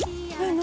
何？